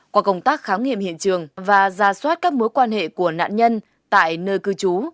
qua công tác khám nghiệm hiện trường và ra soát các mối quan hệ của nạn nhân tại nơi cư trú